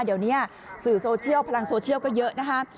เดี๋ยวนี้สื่อโซเชียลพลังโซเชียลก็เยอะนะคะ